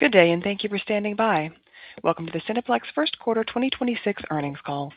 Good day, and thank you for standing by. Welcome to the Cineplex first quarter 2026 earnings call.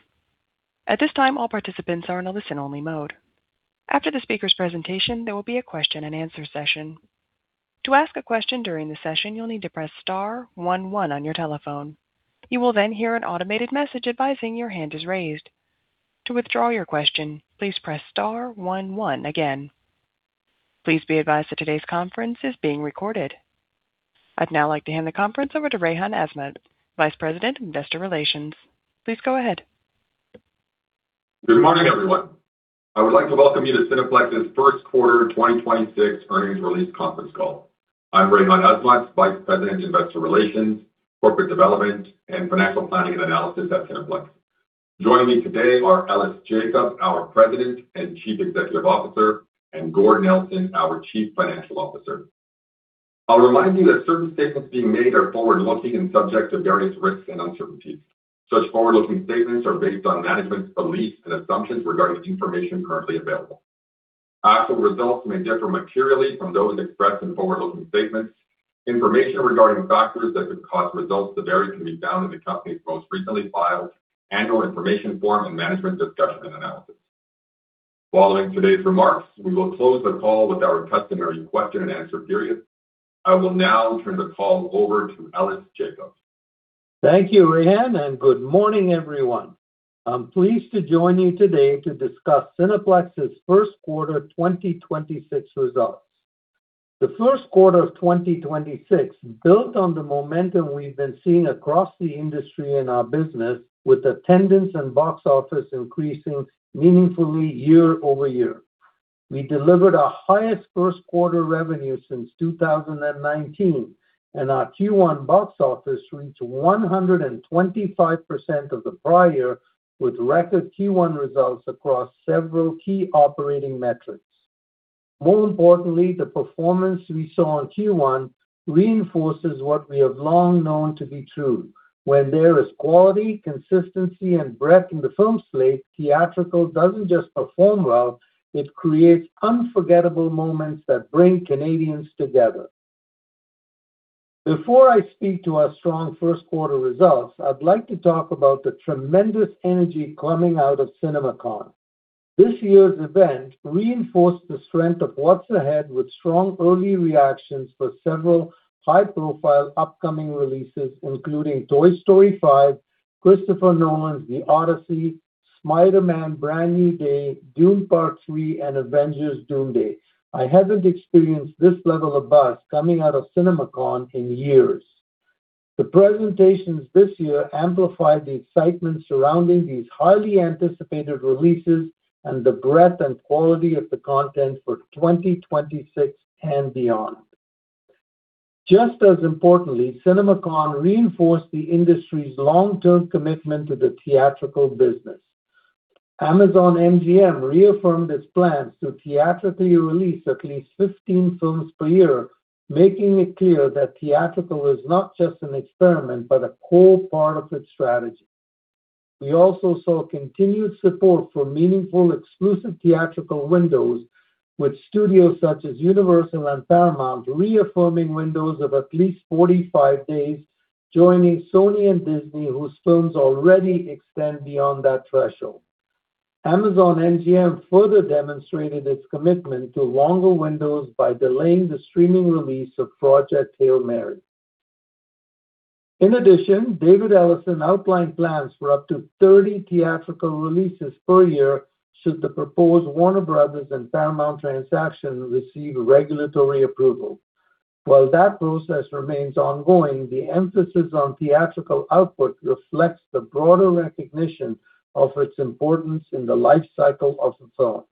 I'd now like to hand the conference over to Rayhan Azmat, Vice President, Investor Relations. Please go ahead. Good morning, everyone. I would like to welcome you to Cineplex's first quarter 2026 earnings release conference call. I'm Rayhan Azmat, Vice President, Investor Relations, Corporate Development, and Financial Planning and Analysis at Cineplex. Joining me today are Ellis Jacob, our President and Chief Executive Officer, and Gord Nelson, our Chief Financial Officer. I'll remind you that certain statements being made are forward-looking and subject to various risks and uncertainties. Such forward-looking statements are based on management's beliefs and assumptions regarding information currently available. Actual results may differ materially from those expressed in forward-looking statements. Information regarding factors that could cause results to vary can be found in the company's most recently filed annual information form and management discussion and analysis. Following today's remarks, we will close the call with our customary question-and-answer period. I will now turn the call over to Ellis Jacob. Thank you, Rayhan, good morning, everyone. I'm pleased to join you today to discuss Cineplex's first quarter 2026 results. The first quarter of 2026 built on the momentum we've been seeing across the industry and our business, with attendance and box office increasing meaningfully year-over-year. We delivered our highest first quarter revenue since 2019. Our Q1 box office reached 125% of the prior with record Q1 results across several key operating metrics. More importantly, the performance we saw in Q1 reinforces what we have long known to be true. When there is quality, consistency, and breadth in the film slate, theatrical doesn't just perform well, it creates unforgettable moments that bring Canadians together. Before I speak to our strong first quarter results, I'd like to talk about the tremendous energy coming out of CinemaCon. This year's event reinforced the strength of what's ahead with strong early reactions for several high-profile upcoming releases, including Toy Story 5, Christopher Nolan's The Odyssey, Spider-Man: Brand New Day, Dune: Part Three, and Avengers: Doomsday. I haven't experienced this level of buzz coming out of CinemaCon in years. The presentations this year amplified the excitement surrounding these highly anticipated releases and the breadth and quality of the content for 2026 and beyond. Just as importantly, CinemaCon reinforced the industry's long-term commitment to the theatrical business. Amazon MGM reaffirmed its plans to theatrically release at least 15 films per year, making it clear that theatrical is not just an experiment but a core part of its strategy. We also saw continued support for meaningful exclusive theatrical windows with studios such as Universal and Paramount reaffirming windows of at least 45 days, joining Sony and Disney, whose films already extend beyond that threshold. Amazon MGM further demonstrated its commitment to longer windows by delaying the streaming release of Project Hail Mary. In addition, David Ellison outlined plans for up to 30 theatrical releases per year should the proposed Warner Bros. and Paramount transaction receive regulatory approval. While that process remains ongoing, the emphasis on theatrical output reflects the broader recognition of its importance in the life cycle of a film.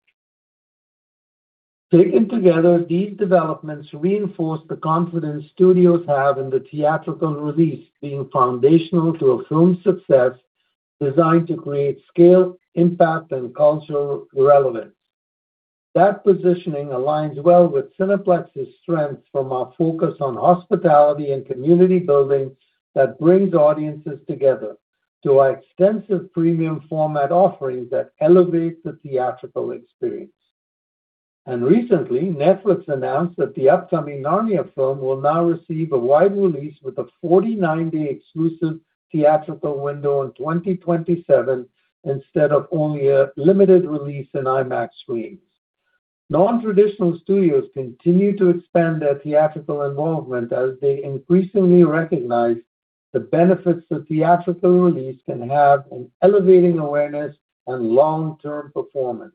Taken together, these developments reinforce the confidence studios have in the theatrical release being foundational to a film's success designed to create scale, impact, and cultural relevance. That positioning aligns well with Cineplex's strengths from our focus on hospitality and community building that brings audiences together to our extensive premium format offerings that elevate the theatrical experience. Recently, Netflix announced that the upcoming Narnia film will now receive a wide release with a 49-day exclusive theatrical window in 2027 instead of only a limited release in IMAX screens. Non-traditional studios continue to expand their theatrical involvement as they increasingly recognize the benefits a theatrical release can have in elevating awareness and long-term performance.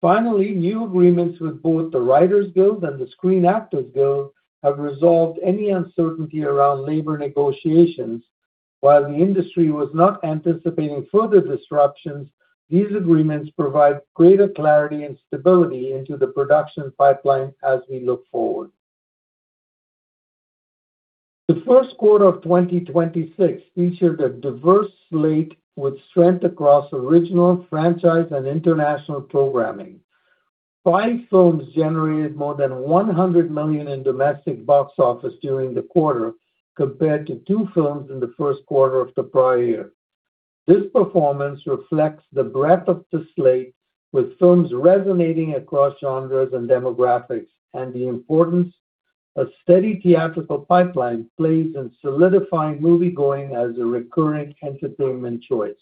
Finally, new agreements with both the Writers Guild and the Screen Actors Guild have resolved any uncertainty around labor negotiations. While the industry was not anticipating further disruptions, these agreements provide greater clarity and stability into the production pipeline as we look forward. The first quarter of 2026 featured a diverse slate with strength across original, franchise, and international programming. Five films generated more than 100 million in domestic box office during the quarter compared to two films in the first quarter of the prior year. This performance reflects the breadth of the slate with films resonating across genres and demographics, and the importance a steady theatrical pipeline plays in solidifying moviegoing as a recurring entertainment choice.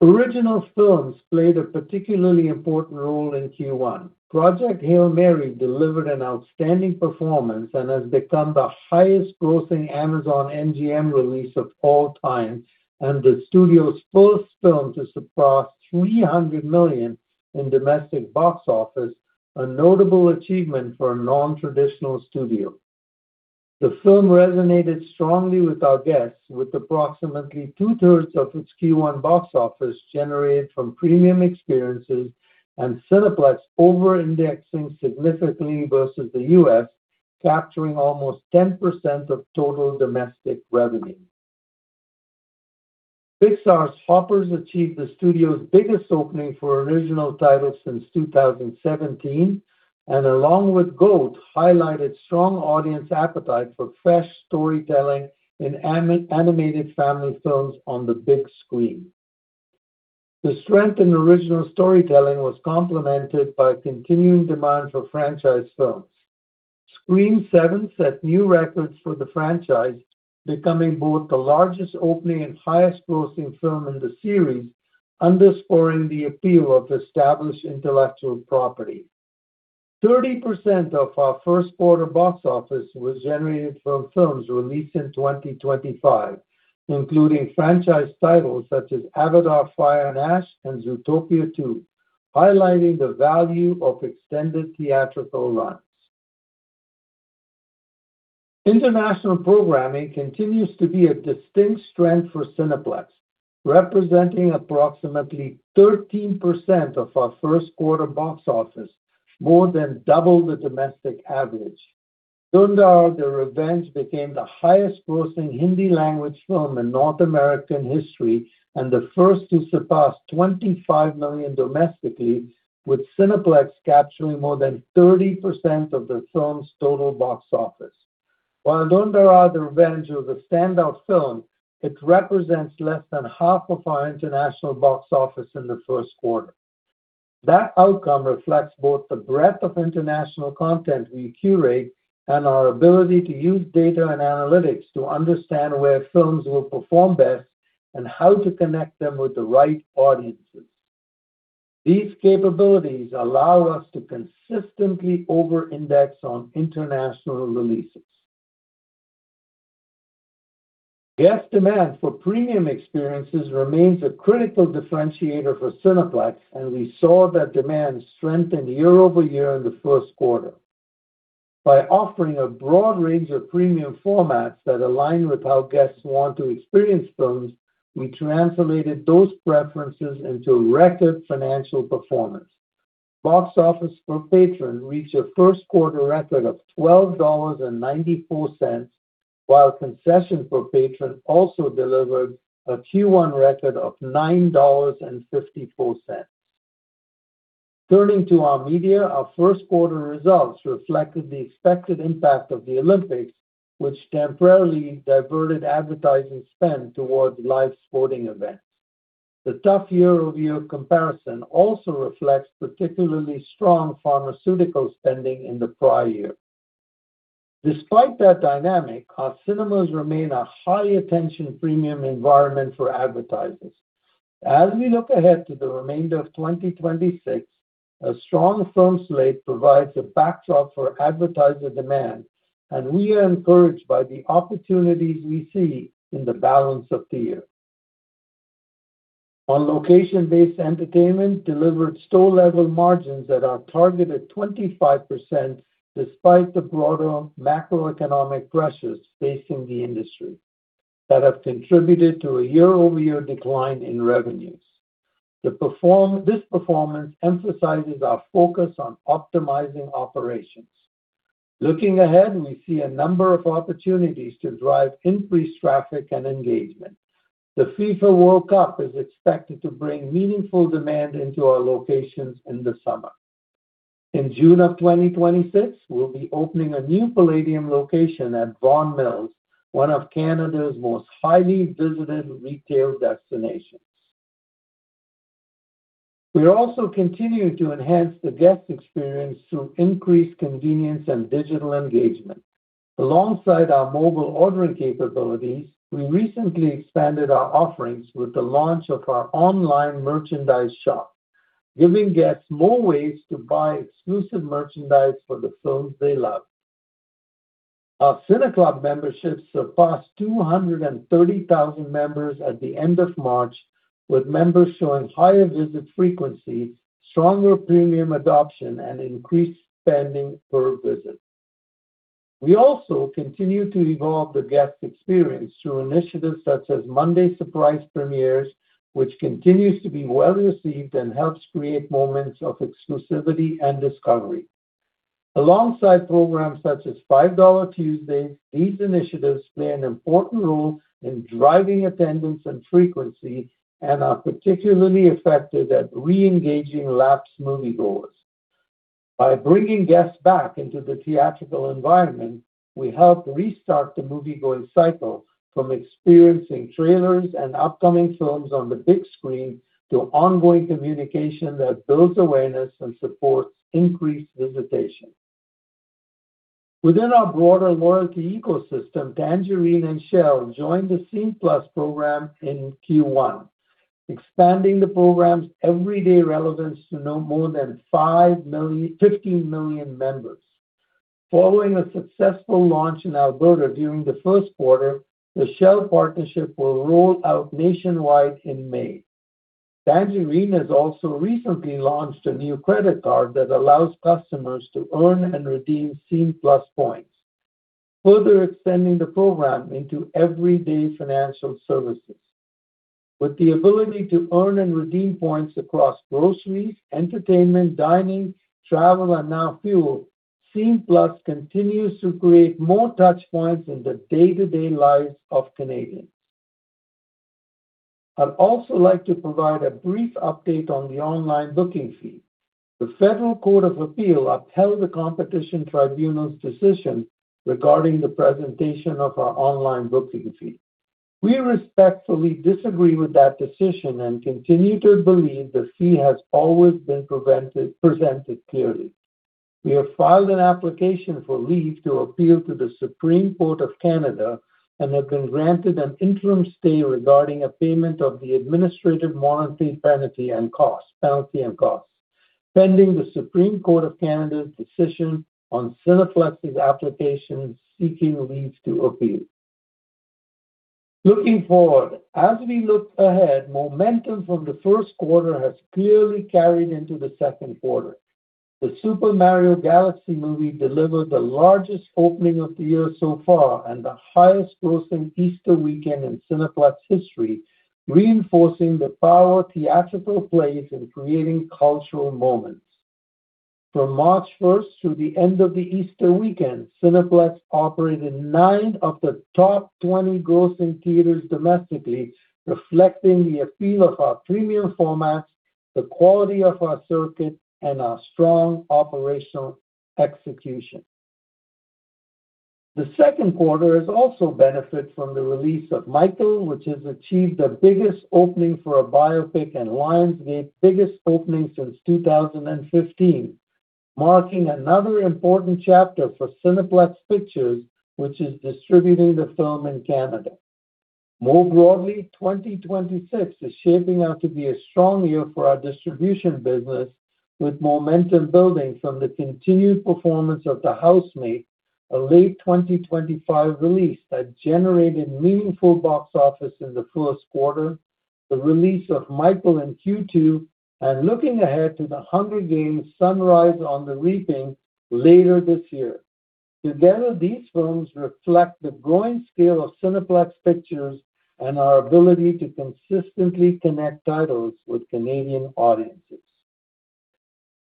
Original films played a particularly important role in Q1. Project Hail Mary delivered an outstanding performance and has become the highest grossing Amazon MGM release of all time and the studio's first film to surpass 300 million in domestic box office, a notable achievement for a non-traditional studio. The film resonated strongly with our guests, with approximately 2/3 of its Q1 box office generated from premium experiences and Cineplex over-indexing significantly versus the U.S., capturing almost 10% of total domestic revenue. Pixar's Hoppers achieved the studio's biggest opening for original titles since 2017, and along with GOAT, highlighted strong audience appetite for fresh storytelling in animated family films on the big screen. The strength in original storytelling was complemented by continuing demand for franchise films. Scream 7 set new records for the franchise, becoming both the largest opening and highest grossing film in the series, underscoring the appeal of established intellectual property. 30% of our first quarter box office was generated from films released in 2025, including franchise titles such as Avatar: Fire and Ash and Zootopia 2, highlighting the value of extended theatrical runs. International programming continues to be a distinct strength for Cineplex, representing approximately 13% of our first quarter box office, more than double the domestic average. Dhurandhar: The Revenge became the highest grossing Hindi language film in North American history and the first to surpass 25 million domestically, with Cineplex capturing more than 30% of the film's total box office. While Dhurandhar: The Revenge was a standout film, it represents less than half of our international box office in the first quarter. That outcome reflects both the breadth of international content we curate and our ability to use data and analytics to understand where films will perform best and how to connect them with the right audiences. These capabilities allow us to consistently over-index on international releases. Guest demand for premium experiences remains a critical differentiator for Cineplex, and we saw that demand strengthen year-over-year in the first quarter. By offering a broad range of premium formats that align with how guests want to experience films, we translated those preferences into record financial performance. Box office per patron reached a first quarter record of 12.94 dollars, while concession per patron also delivered a Q1 record of 9.54 dollars. Turning to our media, our first quarter results reflected the expected impact of the Olympics, which temporarily diverted advertising spend towards live sporting events. The tough year-over-year comparison also reflects particularly strong pharmaceutical spending in the prior year. Despite that dynamic, our cinemas remain a high-attention premium environment for advertisers. As we look ahead to the remainder of 2026, a strong film slate provides a backdrop for advertiser demand. We are encouraged by the opportunities we see in the balance of the year. Our location-based entertainment delivered store-level margins at our targeted 25% despite the broader macroeconomic pressures facing the industry that have contributed to a year-over-year decline in revenues. This performance emphasizes our focus on optimizing operations. Looking ahead, we see a number of opportunities to drive increased traffic and engagement. The FIFA World Cup is expected to bring meaningful demand into our locations in the summer. In June of 2026, we'll be opening a new Playdium location at Vaughan Mills, one of Canada's most highly visited retail destinations. We are also continuing to enhance the guest experience through increased convenience and digital engagement. Alongside our mobile ordering capabilities, we recently expanded our offerings with the launch of our online merchandise shop, giving guests more ways to buy exclusive merchandise for the films they love. Our CineClub memberships surpassed 230,000 members at the end of March, with members showing higher visit frequency, stronger premium adoption, and increased spending per visit. We also continue to evolve the guest experience through initiatives such as Monday Surprise Premieres, which continues to be well-received and helps create moments of exclusivity and discovery. Alongside programs such as $5 Tuesdays, these initiatives play an important role in driving attendance and frequency and are particularly effective at re-engaging lapsed moviegoers. By bringing guests back into the theatrical environment, we help restart the moviegoing cycle from experiencing trailers and upcoming films on the big screen to ongoing communication that builds awareness and supports increased visitation. Within our broader loyalty ecosystem, Tangerine and Shell joined the Scene+ program in Q1, expanding the program's everyday relevance to 15 million members. Following a successful launch in Alberta during the first quarter, the Shell partnership will roll out nationwide in May. Tangerine has also recently launched a new credit card that allows customers to earn and redeem Scene+ points, further extending the program into everyday financial services. With the ability to earn and redeem points across groceries, entertainment, dining, travel, and now fuel, Scene+ continues to create more touch points in the day-to-day lives of Canadians. I'd also like to provide a brief update on the online booking fee. The Federal Court of Appeal upheld the Competition Tribunal's decision regarding the presentation of our online booking fee. We respectfully disagree with that decision and continue to believe the fee has always been presented clearly. We have filed an application for leave to appeal to the Supreme Court of Canada and have been granted an interim stay regarding a payment of the administrative warranty penalty and penalty and costs, pending the Supreme Court of Canada's decision on Cineplex's application seeking leave to appeal. Looking forward, as we look ahead, momentum from the first quarter has clearly carried into the second quarter. The Super Mario Galaxy Movie delivered the largest opening of the year so far and the highest grossing Easter weekend in Cineplex history, reinforcing the power theatrical plays in creating cultural moments. From March 1st through the end of the Easter weekend, Cineplex operated nine of the top 20 grossing theaters domestically, reflecting the appeal of our premium formats, the quality of our circuit, and our strong operational execution. The second quarter has also benefited from the release of Michael, which has achieved the biggest opening for a biopic and Lionsgate biggest opening since 2015, marking another important chapter for Cineplex Pictures, which is distributing the film in Canada. More broadly, 2026 is shaping out to be a strong year for our distribution business with momentum building from the continued performance of The Housemaid, a late 2025 release that generated meaningful box office in the first quarter, the release of Michael in Q2, and looking ahead to The Hunger Games: Sunrise on the Reaping later this year. Together, these films reflect the growing scale of Cineplex Pictures and our ability to consistently connect titles with Canadian audiences.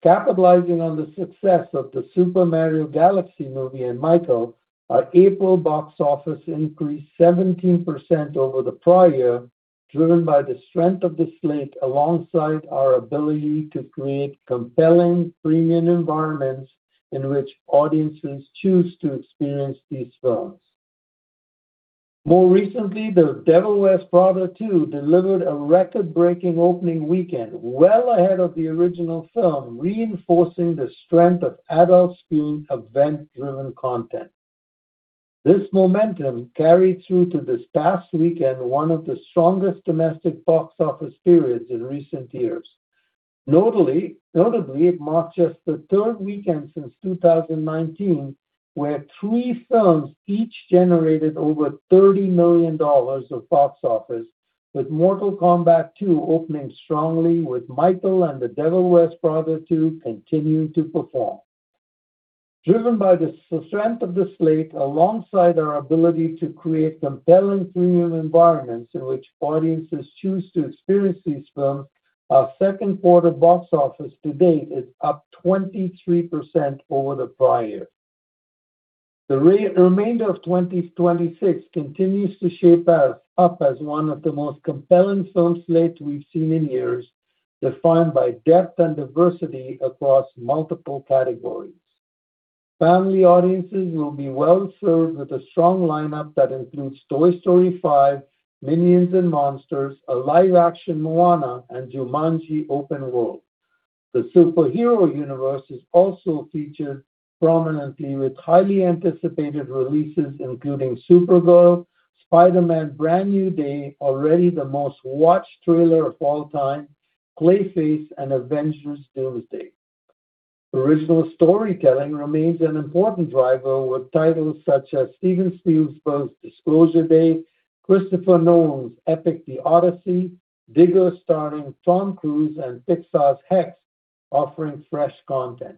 Capitalizing on the success of The Super Mario Galaxy Movie and Michael, our April box office increased 17% over the prior year, driven by the strength of the slate alongside our ability to create compelling premium environments in which audiences choose to experience these films. More recently, The Devil Wears Prada 2 delivered a record-breaking opening weekend well ahead of the original film, reinforcing the strength of adult-skewed event-driven content. This momentum carried through to this past weekend, one of the strongest domestic box office periods in recent years. Notably, it marks just the third weekend since 2019 where three films each generated over 30 million dollars of box office, with Mortal Kombat 2 opening strongly with Michael and The Devil Wears Prada 2 continuing to perform. Driven by the strength of the slate alongside our ability to create compelling premium environments in which audiences choose to experience these films, our second quarter box office to date is up 23% over the prior. The remainder of 2026 continues to shape out, up as one of the most compelling film slates we've seen in years, defined by depth and diversity across multiple categories. Family audiences will be well-served with a strong lineup that includes Toy Story 5, Minions and Monsters, a live-action Moana, and Jumanji: Open World. The superhero universe is also featured prominently with highly anticipated releases including Supergirl, Spider-Man: Brand New Day, already the most-watched thriller of all time, Clayface, and Avengers: Doomsday. Original storytelling remains an important driver with titles such as Steven Spielberg's Disclosure Day, Christopher Nolan's epic The Odyssey, Viggo starring Tom Cruise, and Pixar's Hex offering fresh content.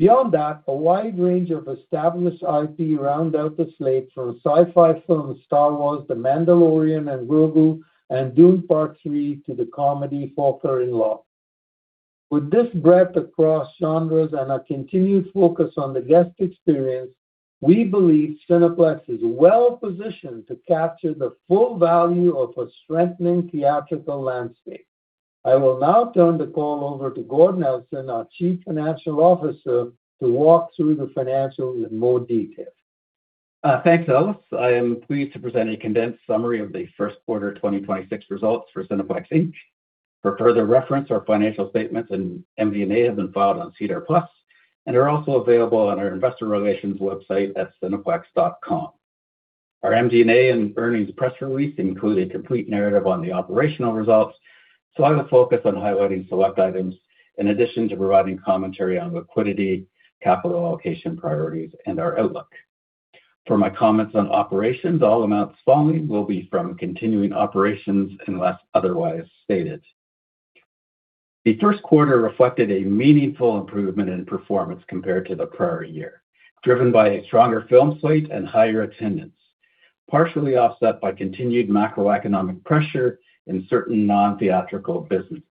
Beyond that, a wide range of established IP round out the slate from sci-fi films Star Wars: The Mandalorian & Grogu and Dune: Part Three to the comedy Father-in-Law. With this breadth across genres and a continued focus on the guest experience. We believe Cineplex is well positioned to capture the full value of a strengthening theatrical landscape. I will now turn the call over to Gord Nelson, our Chief Financial Officer, to walk through the financials in more detail. Thanks, Ellis. I am pleased to present a condensed summary of the first quarter 2026 results for Cineplex Inc. For further reference, our financial statements and MD&A have been filed on SEDAR+ and are also available on our investor relations website at cineplex.com. Our MD&A and earnings press release include a complete narrative on the operational results. I will focus on highlighting select items in addition to providing commentary on liquidity, capital allocation priorities, and our outlook. For my comments on operations, all amounts following will be from continuing operations unless otherwise stated. The first quarter reflected a meaningful improvement in performance compared to the prior year, driven by a stronger film slate and higher attendance, partially offset by continued macroeconomic pressure in certain non-theatrical businesses.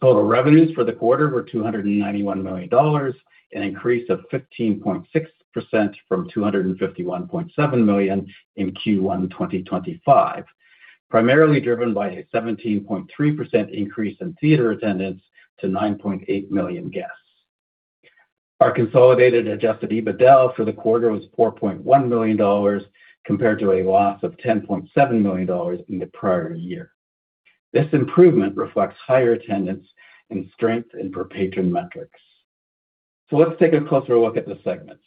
Total revenues for the quarter were 291 million dollars, an increase of 15.6% from 251.7 million in Q1 2025, primarily driven by a 17.3% increase in theater attendance to 9.8 million guests. Our consolidated adjusted EBITDA for the quarter was 4.1 million dollars compared to a loss of 10.7 million dollars in the prior year. This improvement reflects higher attendance and strength in per patron metrics. Let's take a closer look at the segments.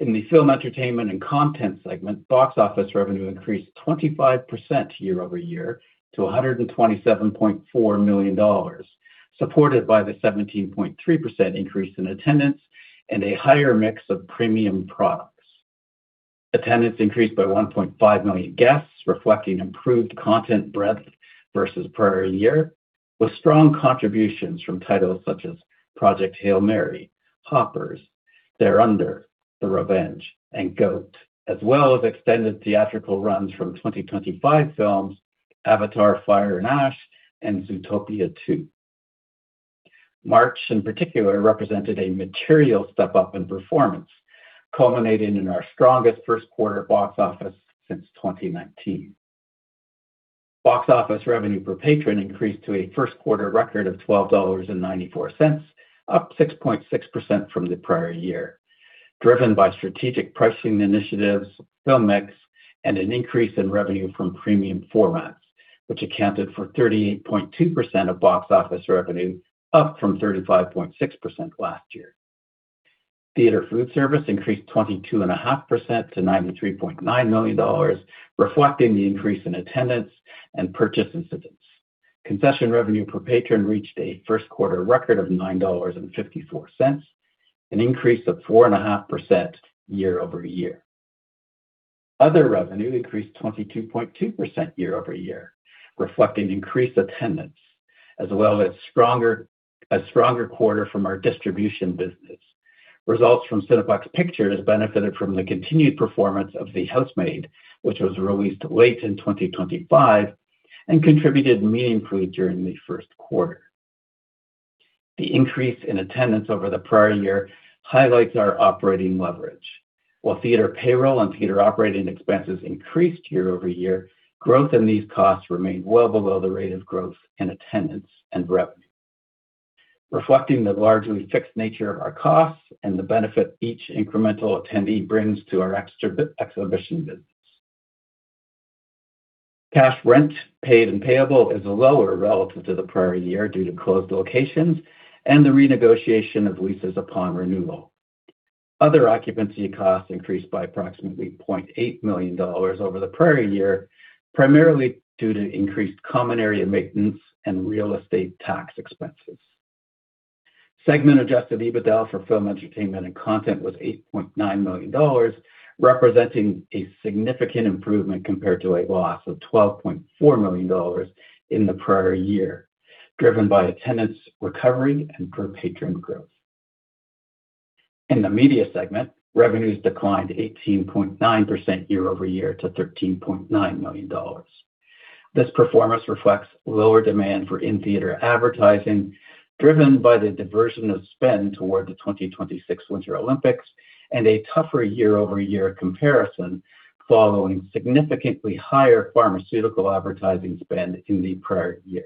In the film entertainment and content segment, box office revenue increased 25% year-over-year to 127.4 million dollars, supported by the 17.3% increase in attendance and a higher mix of premium products. Attendance increased by 1.5 million guests, reflecting improved content breadth versus prior year, with strong contributions from titles such as Project Hail Mary, Hoppers, Dhurandhar: The Revenge, and GOAT, as well as extended theatrical runs from 2025 films Avatar: Fire and Ash and Zootopia 2. March, in particular, represented a material step up in performance, culminating in our strongest first quarter box office since 2019. Box office revenue per patron increased to a first quarter record of 12.94 dollars, up 6.6% from the prior year, driven by strategic pricing initiatives, film mix, and an increase in revenue from premium formats, which accounted for 38.2% of box office revenue, up from 35.6% last year. Theater food service increased 22.5% to 93.9 million dollars, reflecting the increase in attendance and purchase incidents. Concession revenue per patron reached a first quarter record of 9.54 dollars, an increase of 4.5% year-over-year. Other revenue increased 22.2% year-over-year, reflecting increased attendance as well as a stronger quarter from our distribution business. Results from Cineplex Pictures benefited from the continued performance of The Housemaid, which was released late in 2025 and contributed meaningfully during the first quarter. The increase in attendance over the prior year highlights our operating leverage. While theater payroll and theater operating expenses increased year-over-year, growth in these costs remained well below the rate of growth in attendance and revenue, reflecting the largely fixed nature of our costs and the benefit each incremental attendee brings to our [extra] exhibition business. Cash rent paid and payable is lower relative to the prior year due to closed locations and the renegotiation of leases upon renewal. Other occupancy costs increased by approximately 0.8 million dollars over the prior year, primarily due to increased common area maintenance and real estate tax expenses. Segment adjusted EBITDA for film entertainment and content was 8.9 million dollars, representing a significant improvement compared to a loss of 12.4 million dollars in the prior year, driven by attendance recovery and per patron growth. In the media segment, revenues declined 18.9% year-over-year to 13.9 million dollars. This performance reflects lower demand for in-theater advertising, driven by the diversion of spend toward the 2026 Winter Olympics and a tougher year-over-year comparison following significantly higher pharmaceutical advertising spend in the prior year.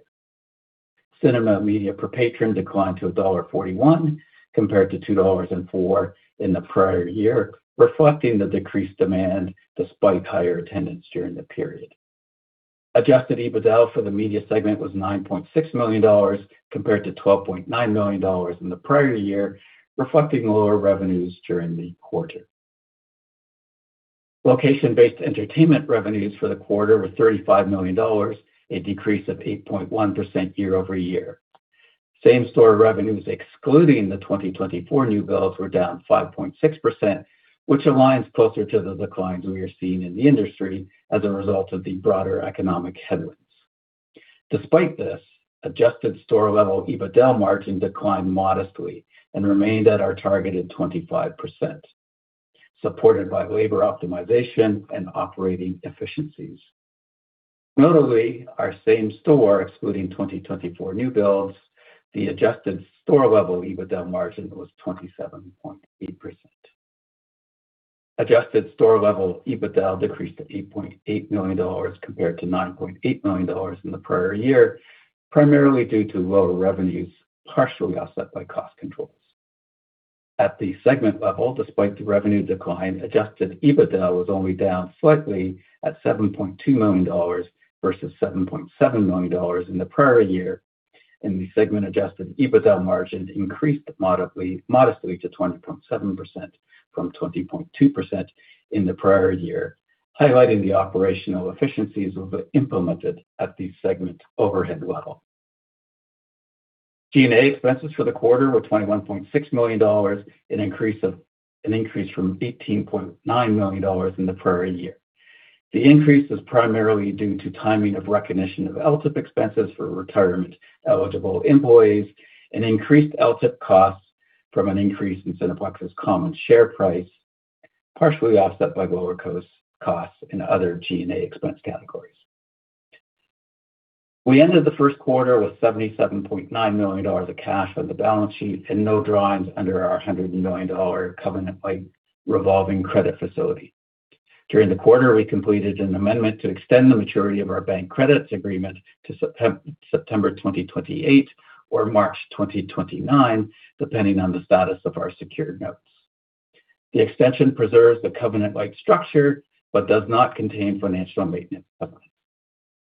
Cinema media per patron declined to dollar 1.41 compared to 2.04 dollars in the prior year, reflecting the decreased demand despite higher attendance during the period. Adjusted EBITDA for the media segment was 9.6 million dollars compared to 12.9 million dollars in the prior year, reflecting lower revenues during the quarter. Location-based entertainment revenues for the quarter were 35 million dollars, a decrease of 8.1% year-over-year. Same-store revenues excluding the 2024 new builds were down 5.6%, which aligns closer to the declines we are seeing in the industry as a result of the broader economic headwinds. Despite this, adjusted store-level EBITDA margin declined modestly and remained at our targeted 25%, supported by labor optimization and operating efficiencies. Notably, our same store, excluding 2024 new builds, the adjusted store level EBITDA margin was 27.8%. Adjusted store level EBITDA decreased to 8.8 million dollars compared to 9.8 million dollars in the prior year, primarily due to lower revenues partially offset by cost controls. At the segment level, despite the revenue decline, adjusted EBITDA was only down slightly at 7.2 million dollars versus 7.7 million dollars in the prior year, and the segment adjusted EBITDA margin increased modestly to 20.7% from 20.2% in the prior year, highlighting the operational efficiencies we've implemented at the segment overhead level. G&A expenses for the quarter were 21.6 million dollars, an increase from 18.9 million dollars in the prior year. The increase is primarily due to timing of recognition of LTIP expenses for retirement-eligible employees and increased LTIP costs from an increase in Cineplex's common share price, partially offset by lower costs in other G&A expense categories. We ended the first quarter with 77.9 million dollars of cash on the balance sheet and no drawings under our 100 million dollar covenant-lite revolving credit facility. During the quarter, we completed an amendment to extend the maturity of our bank credits agreement to September 2028 or March 2029, depending on the status of our secured notes. The extension preserves the covenant-lite structure but does not contain financial maintenance covenants.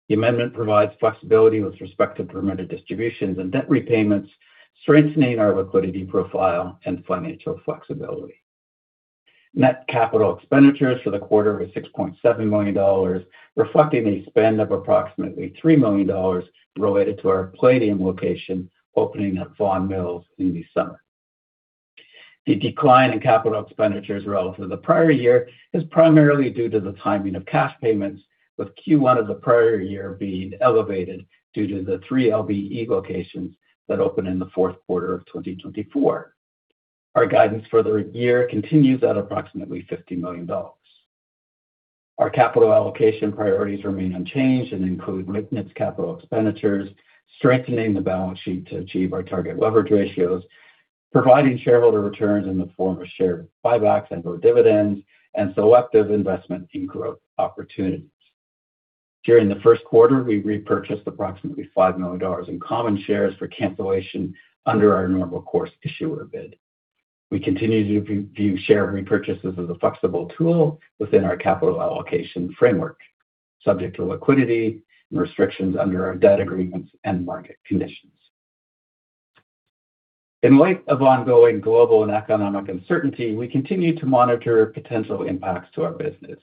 The amendment provides flexibility with respect to permitted distributions and debt repayments, strengthening our liquidity profile and financial flexibility. Net capital expenditures for the quarter were 6.7 million dollars, reflecting a spend of approximately 3 million dollars related to our Playdium location opening at Vaughan Mills in the summer. The decline in capital expenditures relative to the prior year is primarily due to the timing of cash payments, with Q1 of the prior year being elevated due to the three LBE locations that opened in the fourth quarter of 2024. Our guidance for the year continues at approximately 50 million dollars. Our capital allocation priorities remain unchanged and include maintenance capital expenditures, strengthening the balance sheet to achieve our target leverage ratios, providing shareholder returns in the form of share buybacks and or dividends, and selective investment in growth opportunities. During the first quarter, we repurchased approximately 5 million dollars in common shares for cancellation under our normal course issuer bid. We continue to view share repurchases as a flexible tool within our capital allocation framework, subject to liquidity and restrictions under our debt agreements and market conditions. In light of ongoing global and economic uncertainty, we continue to monitor potential impacts to our business.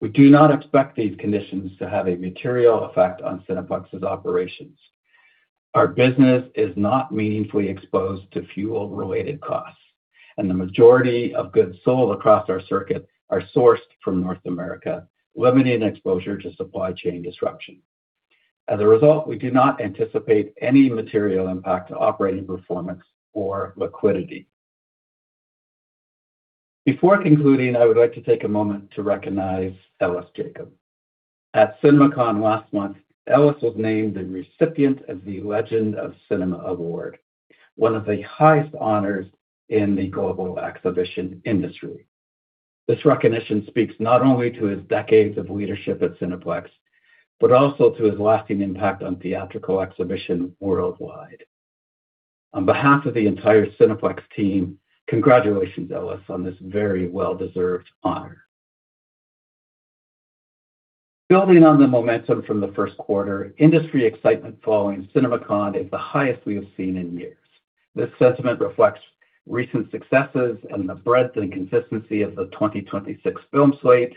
We do not expect these conditions to have a material effect on Cineplex's operations. Our business is not meaningfully exposed to fuel-related costs, and the majority of goods sold across our circuit are sourced from North America, limiting exposure to supply chain disruption. As a result, we do not anticipate any material impact to operating performance or liquidity. Before concluding, I would like to take a moment to recognize Ellis Jacob. At CinemaCon last month, Ellis was named the recipient of the Legend of Cinema Award, one of the highest honors in the global exhibition industry. This recognition speaks not only to his decades of leadership at Cineplex, but also to his lasting impact on theatrical exhibition worldwide. On behalf of the entire Cineplex team, congratulations, Ellis, on this very well-deserved honor. Building on the momentum from the first quarter, industry excitement following CinemaCon is the highest we have seen in years. This sentiment reflects recent successes and the breadth and consistency of the 2026 film slate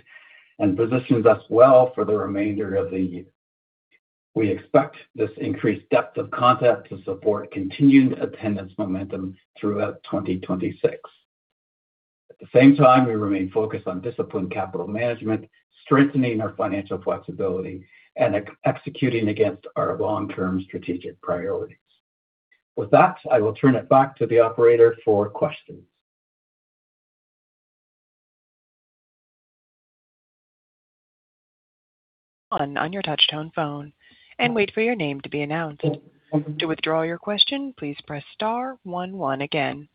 and positions us well for the remainder of the year. We expect this increased depth of content to support continued attendance momentum throughout 2026. At the same time, we remain focused on disciplined capital management, strengthening our financial flexibility, and executing against our long-term strategic priorities. With that, I will turn it back to the operator for questions. On your touch-tone phone and wait for your name to be announced. To withdraw your question, please press star one one again.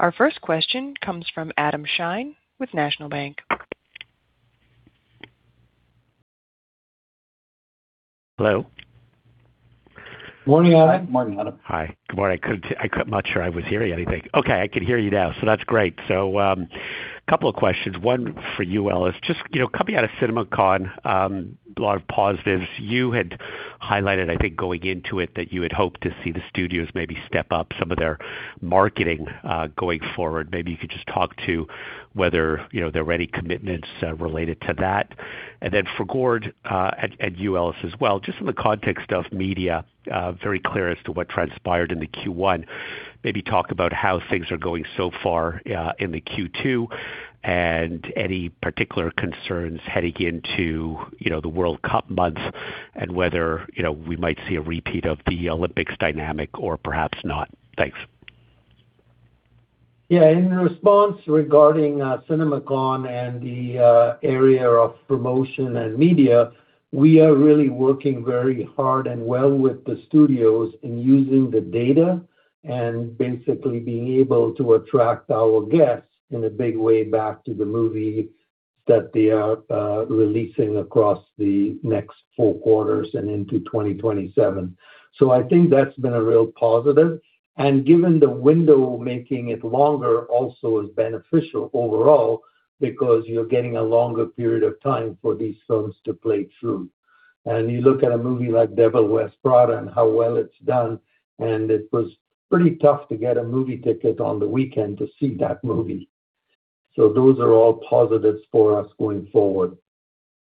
Our first question comes from Adam Shine with National Bank. Hello. Morning, Adam. Morning, Adam. Hi. Good morning. I'm not sure I was hearing anything. Okay, I can hear you now, so that's great. A couple of questions. One for you, Ellis. Just, you know, coming out of CinemaCon, a lot of positives. You had highlighted, I think, going into it that you had hoped to see the studios maybe step up some of their marketing going forward. Maybe you could just talk to whether, you know, there are any commitments related to that. Then for Gord Nelson, and you, Ellis Jacob, as well, just in the context of media, very clear as to what transpired in the Q1, maybe talk about how things are going so far into Q2 and any particular concerns heading into, you know, the FIFA World Cup months and whether, you know, we might see a repeat of the Olympics dynamic or perhaps not. Thanks. In response regarding CinemaCon and the area of promotion and media, we are really working very hard and well with the studios in using the data and basically being able to attract our guests in a big way back to the movie that they are releasing across the next four quarters and into 2027. I think that's been a real positive. Given the window making it longer also is beneficial overall because you're getting a longer period of time for these films to play through. You look at a movie like The Devil Wears Prada and how well it's done, and it was pretty tough to get a movie ticket on the weekend to see that movie. Those are all positives for us going forward.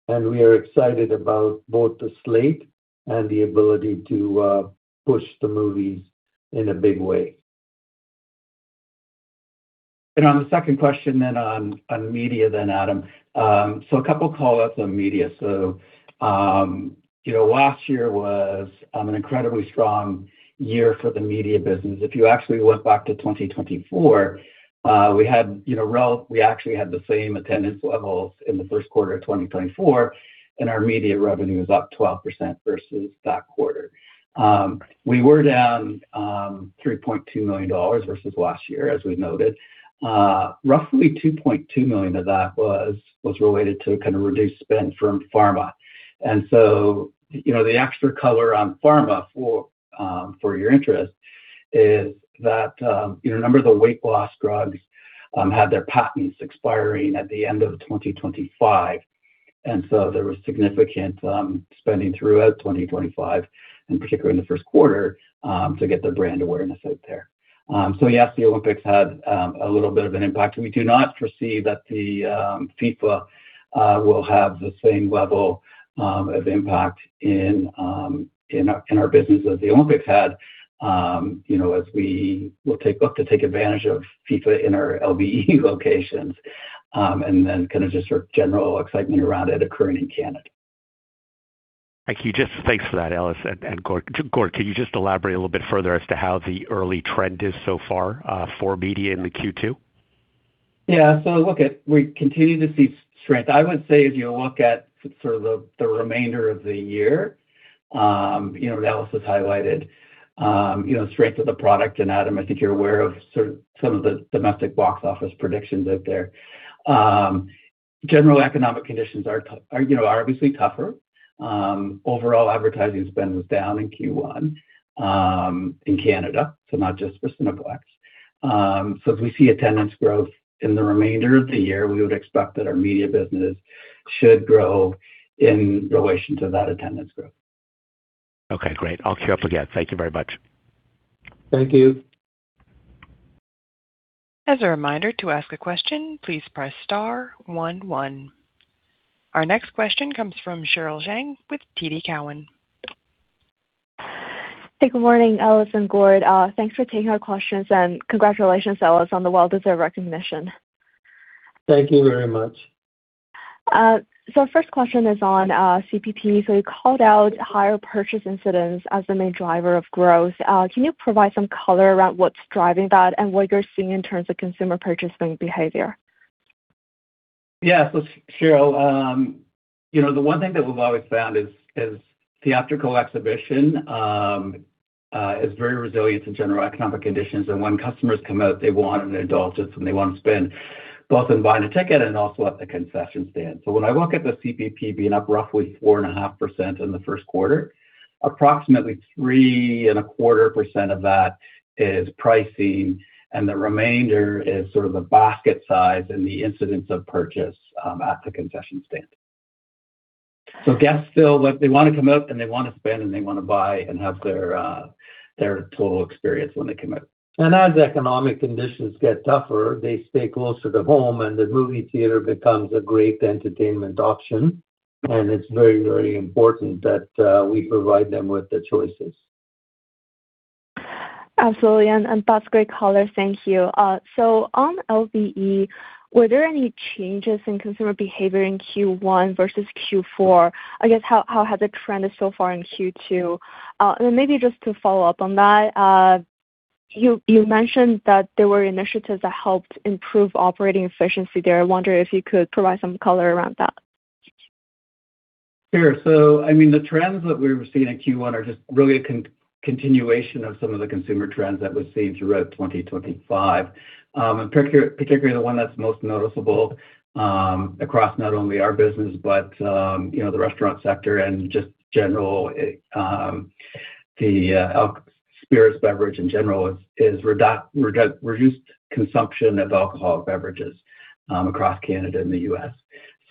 We are excited about both the slate and the ability to push the movies in a big way. On the second question then on media then, Adam. A couple callouts on media. You know, last year was an incredibly strong year for the media business. If you actually went back to 2024, we had, you know, we actually had the same attendance levels in the first quarter of 2024, and our media revenue is up 12% versus that quarter. We were down 3.2 million dollars versus last year, as we noted. Roughly 2.2 million of that was related to kind of reduced spend from pharma. You know, the extra color on pharma for your interest is that, you know, a number of the weight loss drugs had their patents expiring at the end of 2025. There was significant spending throughout 2025, and particularly in the first quarter, to get their brand awareness out there. Yes, the Olympics had a little bit of an impact. We do not foresee that the FIFA will have the same level of impact in our business as the Olympics had, you know, as we look to take advantage of FIFA in our LBE locations, and then kind of just sort of general excitement around it occurring in Canada. Thank you. Just thanks for that, Ellis and Gord. Gord, can you just elaborate a little bit further as to how the early trend is so far for media into Q2? We continue to see strength. I would say if you look at sort of the remainder of the year, you know, Ellis has highlighted, you know, strength of the product. Adam, I think you're aware of sort of some of the domestic box office predictions out there. General economic conditions are, you know, obviously tougher. Overall advertising spend was down in Q1 in Canada, so not just for Cineplex. If we see attendance growth in the remainder of the year, we would expect that our media business should grow in relation to that attendance growth. Great. I'll queue up again. Thank you very much. Thank you. As a reminder, to ask a question, please press star one one. Our next question comes from Cheryl Zhang with TD Cowen. Hey, good morning, Ellis and Gord. Thanks for taking our questions, and congratulations, Ellis, on the well-deserved recognition. Thank you very much. First question is on CPP. You called out higher purchase incidents as the main driver of growth. Can you provide some color around what's driving that and what you're seeing in terms of consumer purchasing behavior? Yeah. Cheryl, you know, the one thing that we've always found is theatrical exhibition is very resilient to general economic conditions. When customers come out, they want an indulgence, and they want to spend both in buying a ticket and also at the concession stand. When I look at the CPP being up roughly 4.5% in the first quarter, approximately 3.25% of that is pricing, and the remainder is sort of the basket size and the incidence of purchase at the concession stand. Guests feel like they wanna come out, and they wanna spend, and they wanna buy and have their total experience when they come out. As economic conditions get tougher, they stay closer to home, and the movie theater becomes a great entertainment option, and it's very, very important that we provide them with the choices. Absolutely. That's great color. Thank you. On LBE, were there any changes in consumer behavior in Q1 versus Q4? I guess, how has the trend so far in Q2? Then maybe just to follow up on that, you mentioned that there were initiatives that helped improve operating efficiency there. I wonder if you could provide some color around that. Sure. I mean, the trends that we were seeing in Q1 are just really a continuation of some of the consumer trends that we've seen throughout 2025. Particularly the one that's most noticeable across not only our business but, you know, the restaurant sector and just general, the spirits beverage in general is reduced consumption of alcoholic beverages across Canada and the U.S.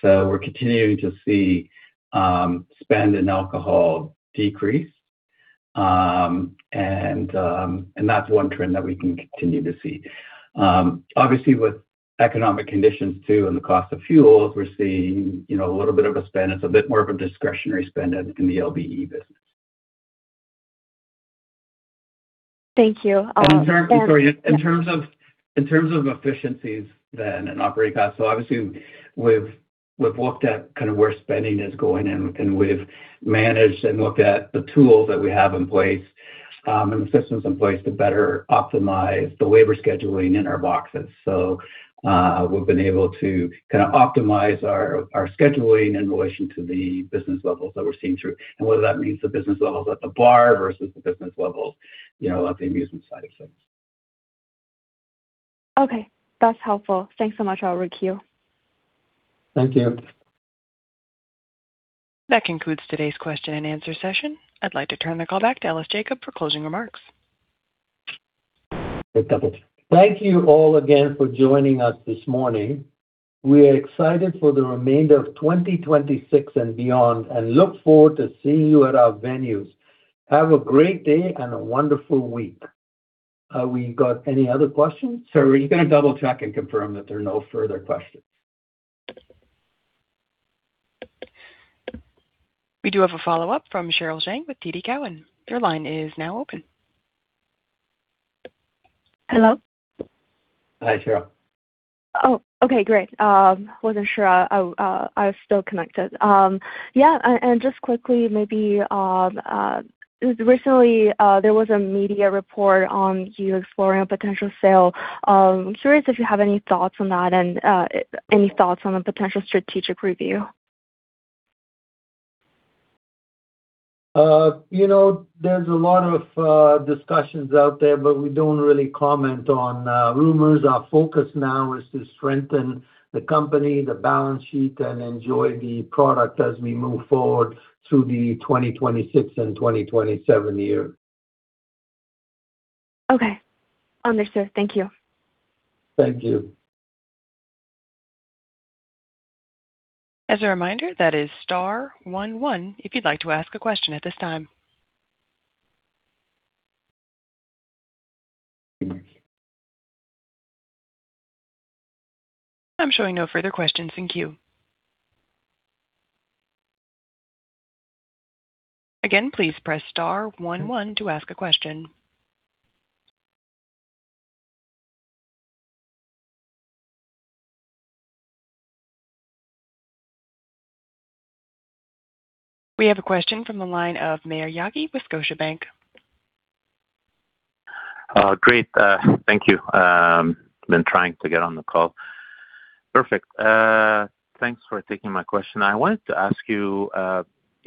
We're continuing to see spend in alcohol decrease. That's one trend that we can continue to see. Obviously, with economic conditions too and the cost of fuels, we're seeing, you know, a little bit of a spend. It's a bit more of a discretionary spend in the LBE business. Thank you. I'm sorry. In terms of. In terms of efficiencies and operating costs, obviously we've looked at kind of where spending is going and we've managed and looked at the tools that we have in place, and the systems in place to better optimize the Labor scheduling in our boxes. We've been able to kinda optimize our scheduling in relation to the business levels that we're seeing through. Whether that means the business levels at the bar versus the business levels, you know, of the amusement side of things. Okay. That's helpful. Thanks so much, I will queue. Thank you. That concludes today's question and answer session. I'd like to turn the call back to Ellis Jacob for closing remarks. Thank you all again for joining us this morning. We are excited for the remainder of 2026 and beyond, and look forward to seeing you at our venues. Have a great day and a wonderful week. We got any other questions? Sarah, are you gonna double check and confirm that there are no further questions? We do have a follow-up from Cheryl Zhang with TD Cowen. Your line is now open. Hello? Hi, Cheryl. Oh, okay, great. Wasn't sure I was still connected. Yeah, just quickly maybe, recently, there was a media report on you exploring a potential sale. I'm curious if you have any thoughts on that and any thoughts on the potential strategic review. You know, there's a lot of discussions out there, but we don't really comment on rumors. Our focus now is to strengthen the company, the balance sheet, and enjoy the product as we move forward through the 2026 and 2027 year. Okay. Understood. Thank you. Thank you. As a reminder, that is star one one if you'd like to ask a question at this time. I'm showing no further questions in queue. Please press star one one to ask a question. We have a question from the line of Maher Yaghi with Scotiabank. Great. Thank you. Been trying to get on the call. Perfect. Thanks for taking my question. I wanted to ask you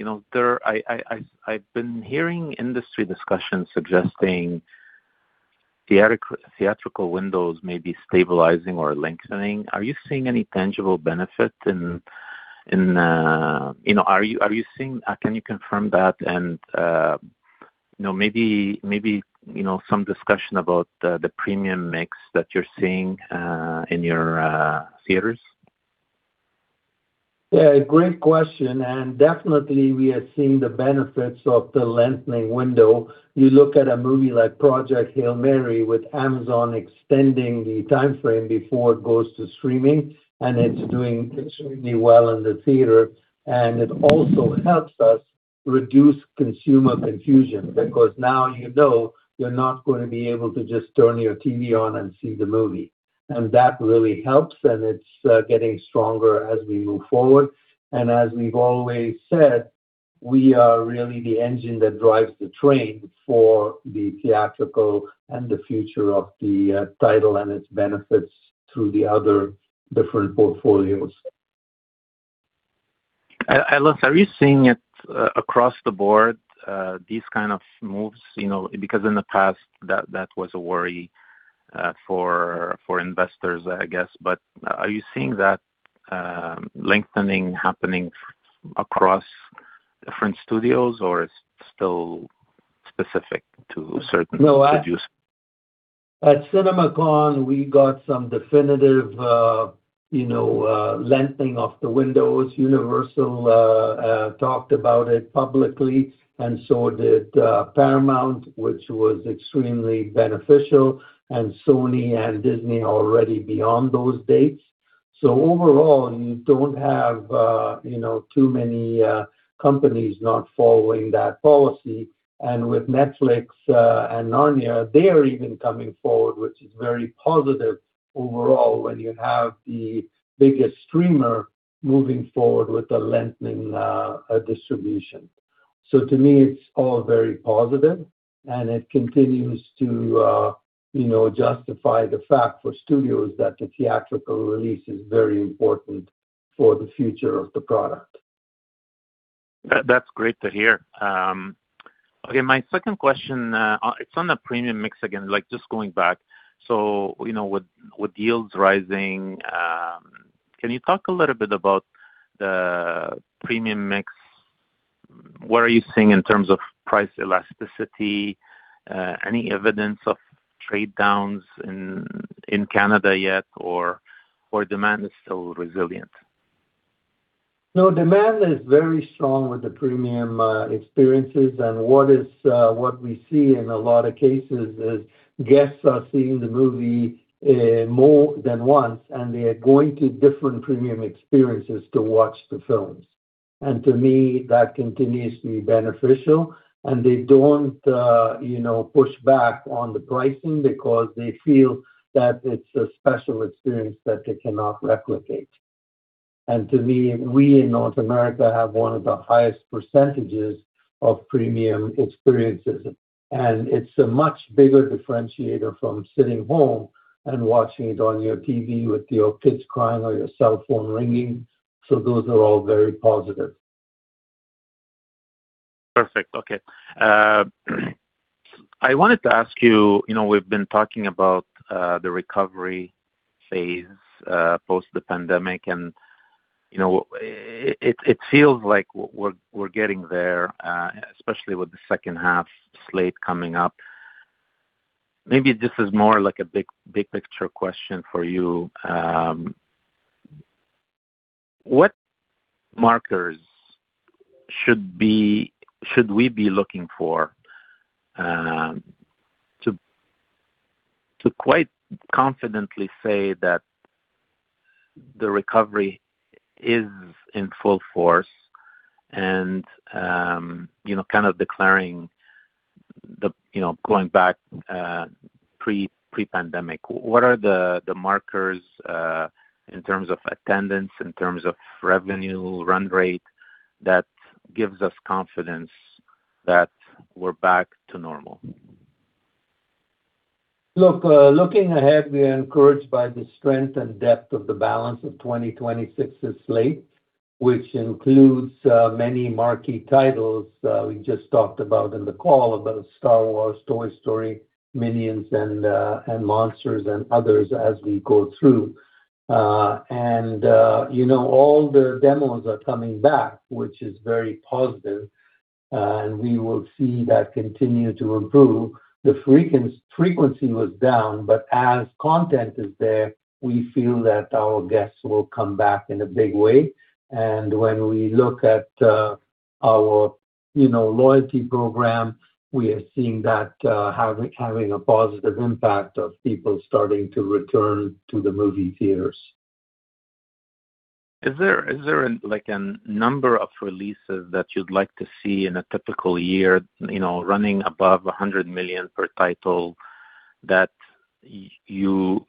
know, there I've been hearing industry discussions suggesting theatrical windows may be stabilizing or lengthening. You know, are you seeing? Can you confirm that and, you know, maybe some discussion about the premium mix that you're seeing in your theaters? Yeah, great question. Definitely we are seeing the benefits of the lengthening window. You look at a movie like Project Hail Mary with Amazon extending the timeframe before it goes to streaming, and it's doing extremely well in the theater. It also helps us reduce consumer confusion, because now you know you're not gonna be able to just turn your TV on and see the movie. That really helps, and it's getting stronger as we move forward. As we've always said, we are really the engine that drives the train for the theatrical and the future of the title and its benefits through the other different portfolios. Ellis, are you seeing it across the board, these kind of moves? You know, because in the past, that was a worry for investors, I guess. Are you seeing that lengthening happening across different studios or it's still specific to certain producers? No, at CinemaCon, we got some definitive, you know, lengthening of the windows. Universal talked about it publicly and so did Paramount, which was extremely beneficial, and Sony and Disney are already beyond those dates. Overall, you don't have, you know, too many companies not following that policy. With Netflix and Narnia, they are even coming forward, which is very positive overall when you have the biggest streamer moving forward with the lengthening distribution. To me, it's all very positive and it continues to, you know, justify the fact for studios that the theatrical release is very important for the future of the product. That's great to hear. Okay, my second question, it's on the premium mix again, like just going back. You know, with yields rising, can you talk a little bit about the premium mix? What are you seeing in terms of price elasticity? Any evidence of trade downs in Canada yet or demand is still resilient? No, demand is very strong with the premium experiences. What is, what we see in a lot of cases is guests are seeing the movie more than once, and they are going to different premium experiences to watch the films. To me, that continues to be beneficial. They don't, you know, push back on the pricing because they feel that it's a special experience that they cannot replicate. To me, we in North America have one of the highest percentages of premium experiences. It's a much bigger differentiator from sitting home and watching it on your TV with your kids crying or your cell phone ringing. Those are all very positive. Perfect. Okay. I wanted to ask you, we've been talking about the recovery phase post the pandemic and it feels like we're getting there, especially with the second half slate coming up. Maybe this is more like a big picture question for you. What markers should we be looking for to quite confidently say that the recovery is in full force and kind of declaring the going back pre-pandemic? What are the markers in terms of attendance, in terms of revenue, run rate, that gives us confidence that we're back to normal? Looking ahead, we are encouraged by the strength and depth of the balance of 2026's slate, which includes many marquee titles we just talked about in the call, about Star Wars, Toy Story, Minions and Monsters and others as we go through. You know, all the demos are coming back, which is very positive, and we will see that continue to improve. The frequency was down, but as content is there, we feel that our guests will come back in a big way. When we look at our, you know, loyalty program, we are seeing that having a positive impact of people starting to return to the movie theaters. Is there, like, a number of releases that you'd like to see in a typical year, you know, running above 100 million per title that you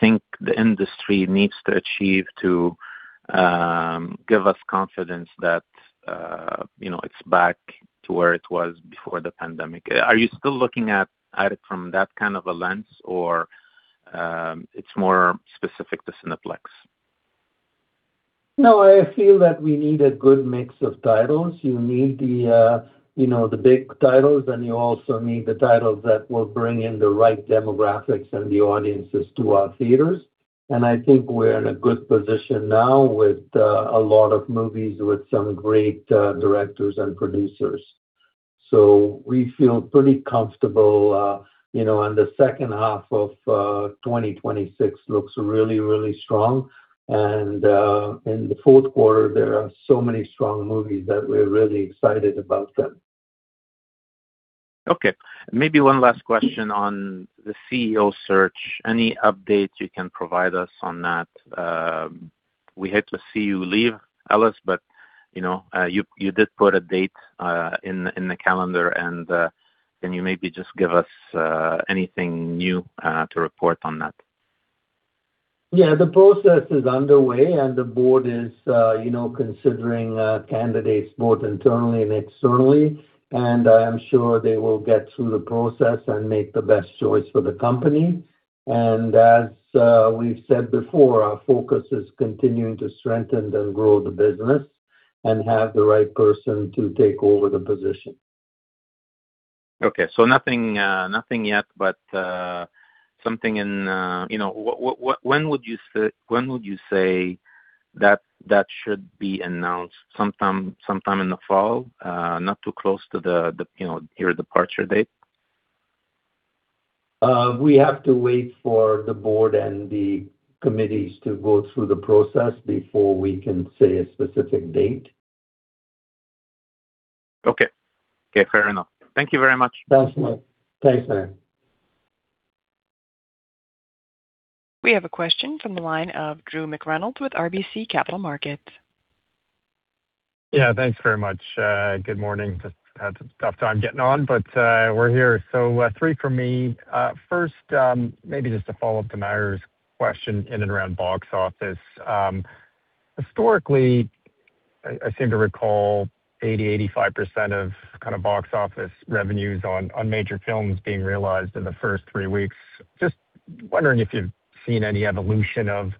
think the industry needs to achieve to give us confidence that, you know, it's back to where it was before the pandemic? Are you still looking at it from that kind of a lens or it's more specific to Cineplex? No, I feel that we need a good mix of titles. You need the, you know, the big titles, and you also need the titles that will bring in the right demographics and the audiences to our theaters. I think we're in a good position now with a lot of movies with some great directors and producers. We feel pretty comfortable, you know, and the second half of 2026 looks really, really strong. In the fourth quarter, there are so many strong movies that we're really excited about them. Okay. Maybe one last question on the CEO search. Any updates you can provide us on that? We hate to see you leave, Ellis, but, you know, you did put a date in the calendar. Can you maybe just give us anything new to report on that? Yeah. The process is underway, and the board is, you know, considering candidates both internally and externally. I am sure they will get through the process and make the best choice for the company. As we've said before, our focus is continuing to strengthen and grow the business and have the right person to take over the position. Okay. Nothing yet, but something in, you know, when would you say that that should be announced? Sometime in the fall? Not too close to the, you know, your departure date? We have to wait for the board and the committees to go through the process before we can say a specific date. Okay. Okay, fair enough. Thank you very much. Thanks a lot. Thanks, Maher. We have a question from the line of Drew McReynolds with RBC Capital Markets. Yeah. Thanks very much. Good morning. Just had a tough time getting on, but we're here. Three for me. First, maybe just to follow up Maher's question in and around box office. Historically, I seem to recall 80%-85% of kind of box office revenues on major films being realized in the first three weeks. Just wondering if you've seen any evolution of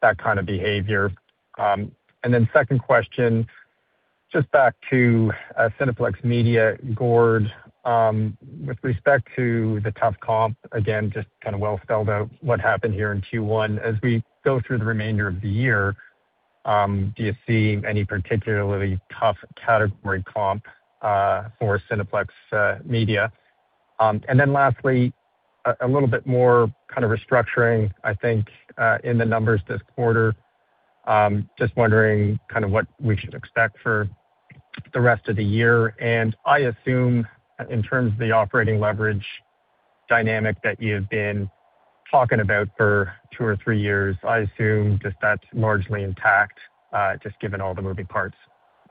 that kind of behavior. Second question, just back to Cineplex Media, Gord. With respect to the tough comp, again, just kind of well spelled out what happened here in Q1. As we go through the remainder of the year, do you see any particularly tough category comp for Cineplex Media? Lastly, a little bit more kind of restructuring, I think, in the numbers this quarter. Just wondering kind of what we should expect for the rest of the year. I assume in terms of the operating leverage dynamic that you've been talking about for two or three years, I assume just that's largely intact, just given all the moving parts.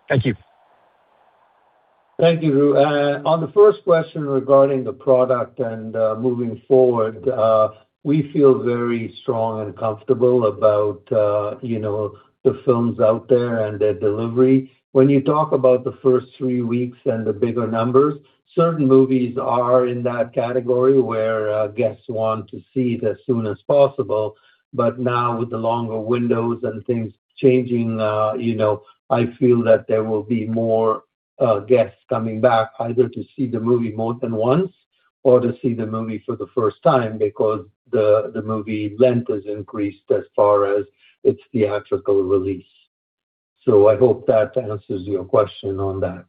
Thank you. Thank you. On the first question regarding the product and moving forward, we feel very strong and comfortable about, you know, the films out there and their delivery. When you talk about the first three weeks and the bigger numbers, certain movies are in that category where guests want to see it as soon as possible. Now with the longer windows and things changing, you know, I feel that there will be more guests coming back either to see the movie more than once or to see the movie for the first time because the movie length has increased as far as its theatrical release. I hope that answers your question on that.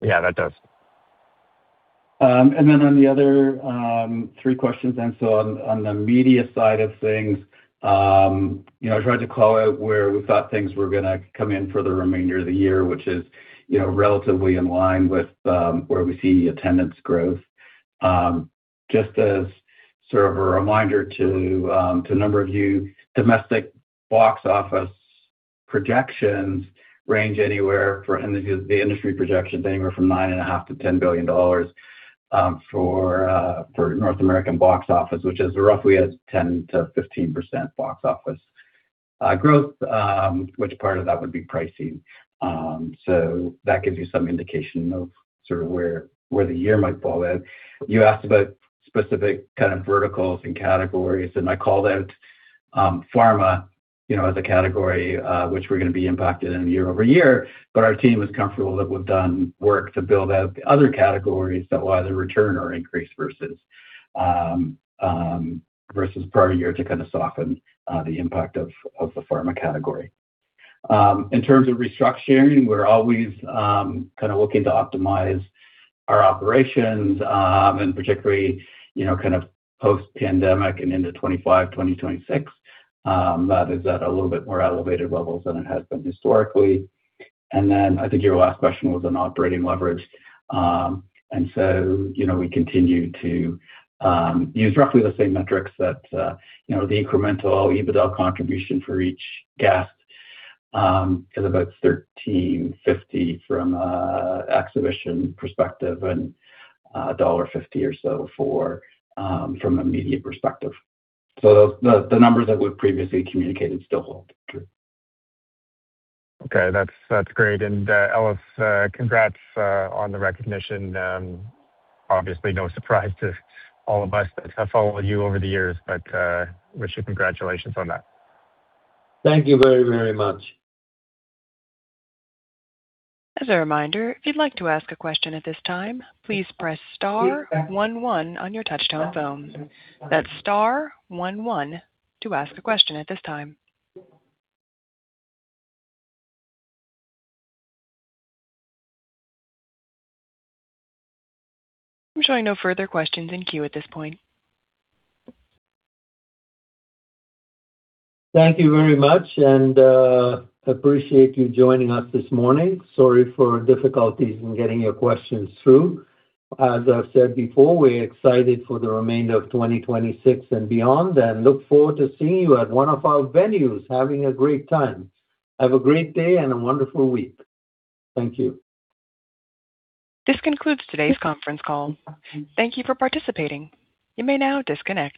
Yeah, that does. On the other, three questions, on the media side of things, you know, I tried to call out where we thought things were gonna come in for the remainder of the year, which is, you know, relatively in line with where we see attendance growth. Just as sort of a reminder to a number of you, domestic box office projections range anywhere for the industry projection, they range from 9.5 billion-10 billion dollars for North American box office, which is roughly a 10%-15% box office growth, which part of that would be pricing. That gives you some indication of sort of where the year might fall in. You asked about specific kind of verticals and categories, I called out pharma, you know, as a category, which we're gonna be impacted in year-over-year. Our team is comfortable that we've done work to build out the other categories that will either return or increase versus versus prior year to kind of soften the impact of the pharma category. In terms of restructuring, we're always kind of looking to optimize our operations, particularly, you know, kind of post-pandemic and into 2025, 2026. That is at a little bit more elevated levels than it has been historically. I think your last question was on operating leverage. You know, we continue to use roughly the same metrics that, you know, the incremental EBITDA contribution for each guest is about 13.50 from a exhibition perspective and dollar 1.50 or so for from a media perspective. The numbers that we've previously communicated still hold true. Okay. That's great. Ellis, congrats on the recognition. Obviously no surprise to all of us that have followed you over the years, but wish you congratulations on that. Thank you very, very much. As a reminder, if you'd like to ask a question at this time, please press star one one on your touchtone phone. That's star one one to ask a question at this time. I'm showing no further questions in queue at this point. Thank you very much. Appreciate you joining us this morning. Sorry for difficulties in getting your questions through. As I've said before, we're excited for the remainder of 2026 and beyond and look forward to seeing you at one of our venues having a great time. Have a great day and a wonderful week. Thank you. This concludes today's conference call. Thank you for participating. You may now disconnect.